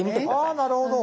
あなるほど。